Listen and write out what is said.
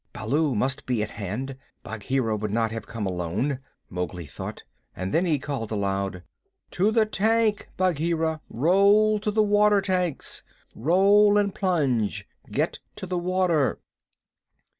"Baloo must be at hand; Bagheera would not have come alone," Mowgli thought. And then he called aloud: "To the tank, Bagheera. Roll to the water tanks. Roll and plunge! Get to the water!"